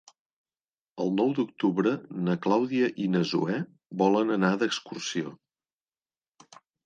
El nou d'octubre na Clàudia i na Zoè volen anar d'excursió.